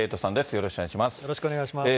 よろしくお願いします。